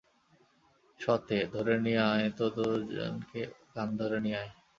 -সতে, ধরে নিয়ে আয় তো দুজনকে, কান ধরে নিয়ে আয়!